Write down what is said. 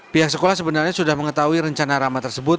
pihak sekolah sebenarnya sudah mengetahui rencana rama tersebut